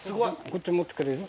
こっち持ってくれる？